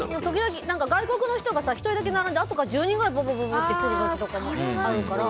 外国の人が１人だけ並んでてあとから１０人くらい来る時とかあるから。